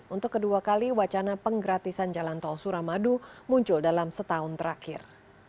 untuk kedua kali wacana penggratisan jalan tol suramadu muncul dalam setahun terakhir